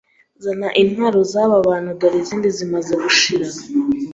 zana intwaro zaba bantu dore izindi zimaze gushira